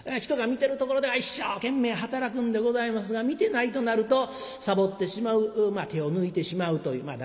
人が見てるところでは一生懸命働くんでございますが見てないとなるとサボってしまう手を抜いてしまうという。